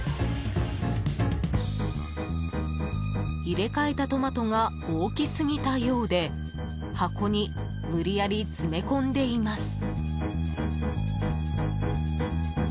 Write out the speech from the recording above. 入れ替えたトマトが大きすぎたようで箱に無理やり詰め込んでいます。